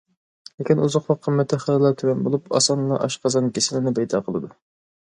لېكىن ئوزۇقلۇق قىممىتى خېلىلا تۆۋەن بولۇپ، ئاسانلا ئاشقازان كېسىلىنى پەيدا قىلىدۇ.